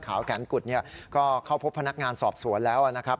ขาวแขนกุฎก็เข้าพบพนักงานสอบสวนแล้วนะครับ